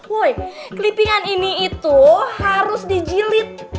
weh kelipingan ini itu harus dijilid